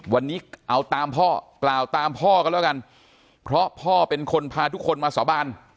วันนี้เอาตามพ่อกล่าวตามพ่อกันแล้วกันเพราะพ่อเป็นคนพาทุกคนมาสาบาน